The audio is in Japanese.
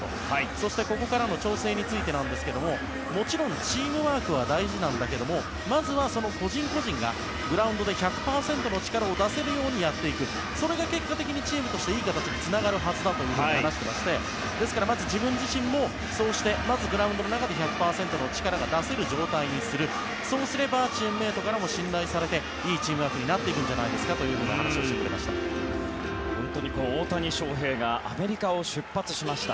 そして、ここからの調整についてなんですがもちろんチームワークは大事なんだけどもまずは、個人個人がグラウンドで１００％の力を出せるようにやっていくそれが結果的にチームとしていい形につながるはずと話していてですから、自分自身もそうしてグラウンドの中で１００％の力が出せる状態にするそうすれば、チームメートからも信頼されていいチームワークになるんじゃないですかと大谷翔平がアメリカを出発しました。